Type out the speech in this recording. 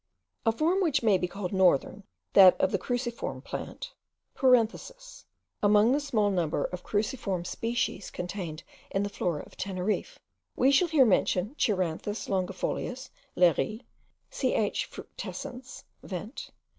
A form which may be called northern, that of the cruciform plant (Among the small number of cruciform species contained in the Flora of Teneriffe, we shall here mention Cheiranthus longifolius, l'Herit.; Ch. fructescens, Vent.